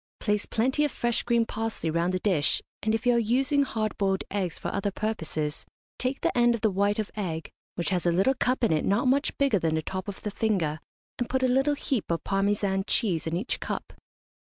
Place plenty of fresh green parsley round the dish, and, if you are using hard boiled eggs for other purposes, take the end of the white of egg, which has a little cup in it not much bigger than the top of the finger, and put a little heap of Parmesan cheese in each cup.